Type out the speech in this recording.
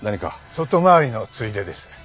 外回りのついでです。